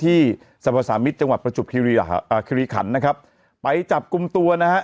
สรรพสามิตรจังหวัดประจบคิริขันนะครับไปจับกลุ่มตัวนะฮะ